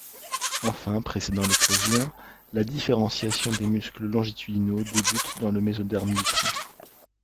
Enfin, précédant l’éclosion, la différenciation des muscles longitudinaux débute dans le mésoderme du tronc.